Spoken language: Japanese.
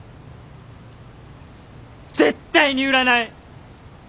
絶対に売らない！